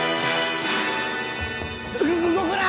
「う動くな！」